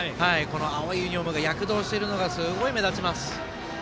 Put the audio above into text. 青いユニフォームが躍動しているのがすごい目立ちます。